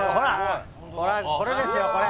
これですよこれ。